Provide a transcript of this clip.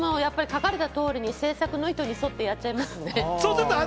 書かれた通りに制作の意図に沿ってやっちゃいますね。